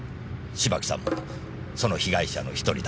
芝木さんもその被害者の１人だった。